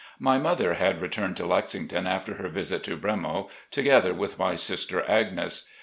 My mother had returned to Lexington after her visit to "Bremo," together with my sister Agnes.